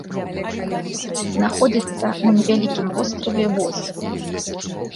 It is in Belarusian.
Знаходзіцца на невялікім востраве воз.